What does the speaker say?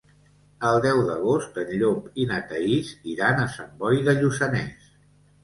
El deu d'agost en Llop i na Thaís iran a Sant Boi de Lluçanès.